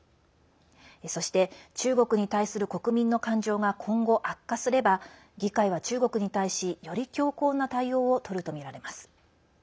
そして中国に対する国民の感情が今後、悪化すれば議会は中国に対しより強硬な対応をとるとみられます。